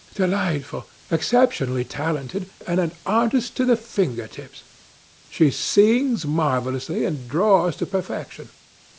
"Delightful! Exceptionally talented, and an artist to the finger tips. She sings marvellously and draws to perfection."